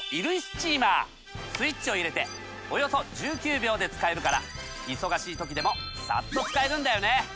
スイッチを入れておよそ１９秒で使えるから忙しい時でもサッと使えるんだよね。